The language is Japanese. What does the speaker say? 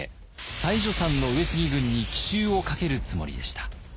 妻女山の上杉軍に奇襲をかけるつもりでした。